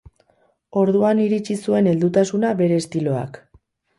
Orduan iritsi zuen heldutasuna bere estiloak.